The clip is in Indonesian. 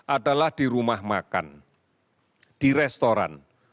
adalah di rumah makan di restoran